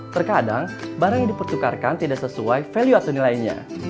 terkadang barang yang dipertukarkan tidak sesuai value atau nilainya